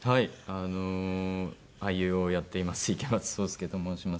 あの俳優をやっています池松壮亮と申します。